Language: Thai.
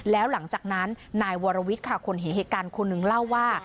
แล้วหลังจากนั้นนายวรวิทย์ค่ะคนเห็นเหตุการณ์คนหนึ่งเล่าว่า